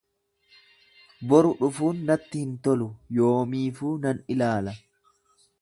Boru dhufuun natti hin tolu, yoomiifuu nan ilaala.